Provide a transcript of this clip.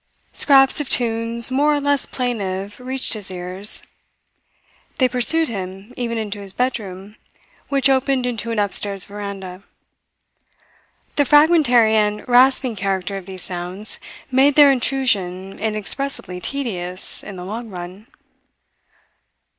Scraps of tunes more or less plaintive reached his ears. They pursued him even into his bedroom, which opened into an upstairs veranda. The fragmentary and rasping character of these sounds made their intrusion inexpressibly tedious in the long run.